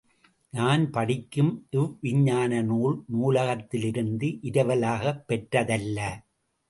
நான் படிக்கும் இவ்விஞ்ஞான நூல் நூலகத்திலிருந்து இரவலாகப் பெற்றதல்ல.